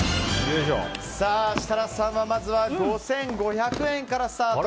設楽さんがまずは５５００円からスタート。